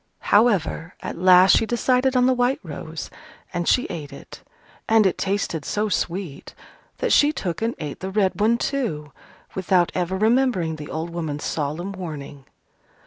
However, at last she decided on the white rose, and she ate it. And it tasted so sweet, that she took and ate the red one too: without ever remembering the old woman's solemn warning.